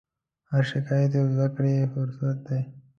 هر شکایت یو د زدهکړې فرصت دی.